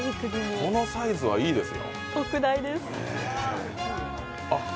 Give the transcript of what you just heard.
このサイズはいいですよ。